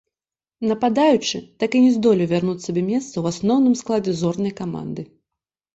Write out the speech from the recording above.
Нападаючы так і не здолеў вярнуць сабе месца ў асноўным складзе зорнай каманды.